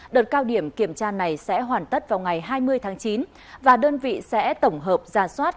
đợt cao điểm kiểm tra này sẽ hoàn tất vào ngày hai mươi tháng chín và đơn vị sẽ tổng hợp giả soát